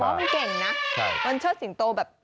มันเก่งนะมันชอบสิงโตแบบ